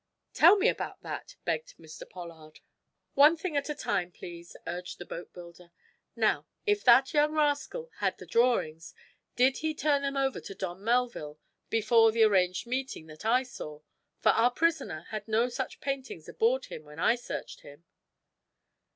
"Tell me about that," begged Mr. Pollard. "One thing at a time, please," urged the boatbuilder. "Now, if that young rascal had the drawings, did he turn them over to Don Melville before the arranged meeting that I saw? For our prisoner had no such papers aboard him when I searched him."